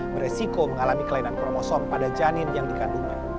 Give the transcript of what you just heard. beresiko mengalami kelainan kromosom pada janin yang dikandungnya